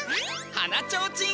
はなちょうちん